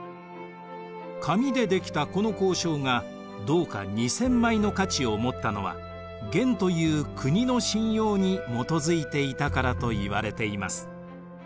紙で出来たこの交鈔が銅貨２０００枚の価値を持ったのは元という国の信用に基づいていたからといわれています。